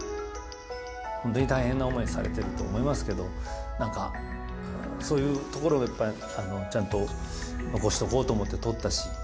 本当に大変な思いされてると思いますけど、なんか、そういうところをやっぱ、ちゃんと残しとこうと思って撮ったし。